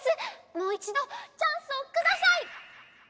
もういちどチャンスをください！